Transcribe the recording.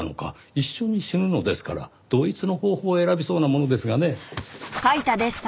一緒に死ぬのですから同一の方法を選びそうなものですがねぇ。